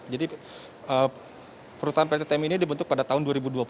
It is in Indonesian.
jadi perusahaan pt tmi ini dibentuk pada tahun dua ribu dua puluh